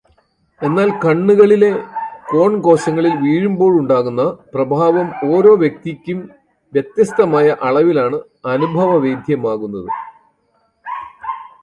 എന്നാൽ, അതു കണ്ണുകളിലെ കോൺ കോശങ്ങളിൽ വീഴുമ്പോളുണ്ടാകുന്ന പ്രഭാവം ഓരോ വ്യക്തിക്കും വ്യത്യസ്തമായ അളവിലാണ് അനുഭവഭേദ്യമാകുന്നത്.